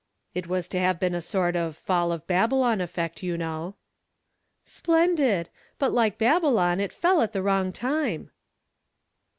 It was to have been a sort of Fall of Babylon effect, you know." "Splendid! But like Babylon, it fell at the wrong time."